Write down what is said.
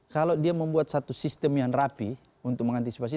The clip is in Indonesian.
kalau dia membuat satu sistem yang rapi untuk mengantisipasi